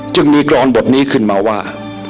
จึงมีกรอนบทนี้ขึ้นมาว่า